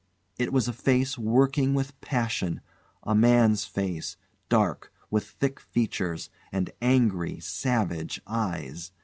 It was a face working with passion; a man's face, dark, with thick features, and angry, savage eyes.